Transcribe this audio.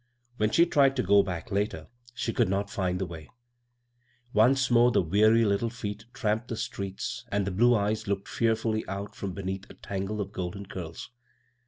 When she tried to go back later, she could not find the way. b, Google CROSS CURRENTS Once more the weary little feet tramped the streets and the blue eyes looked fearfully out from beneath a tangle of golden curls.